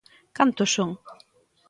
Cantos son?